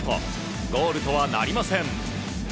ゴールとはなりません。